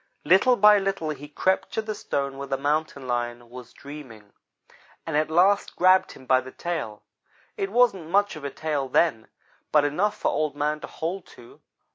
Little by little he crept to the stone where the Mountain lion was dreaming, and at last grabbed him by the tail. It wasn't much of a tail then, but enough for Old man to hold to.